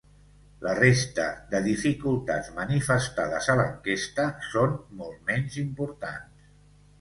La resta de dificultats manifestades a l’enquesta són molt menys importants.